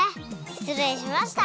しつれいしました！